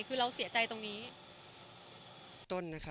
คือเราเสียใจตรงนี้